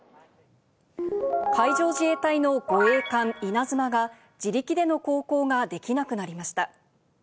海上自衛隊の護衛艦いなづまが、自力での航行ができなくなりました。